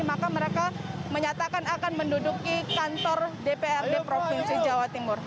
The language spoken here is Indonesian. maka mereka menyatakan akan menduduki kantor dprd provinsi jawa timur